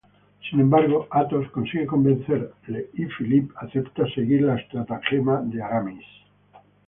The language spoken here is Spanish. Sin embargo, Athos consigue convencerle y Philippe acepta seguir la estratagema de Aramis.